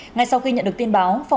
ngay sau khi nhận được tin báo